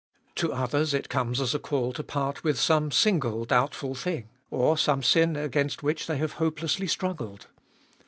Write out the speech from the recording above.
To others it comes as a call to part with some single doubtful thing, or some sin against which they ttbe fullest of 2Ul 337 have hopelessly struggled.